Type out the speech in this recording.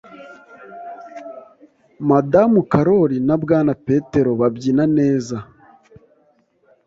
Madamu karori na Bwana petero babyina neza.